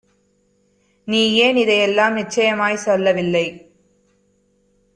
நீயேன் இதையெல்லாம் நிச்சயமாய்ச் சொல்லவில்லை?